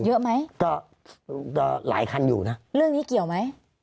เยอะไหมก็ก็หลายคันอยู่นะเรื่องนี้เกี่ยวไหม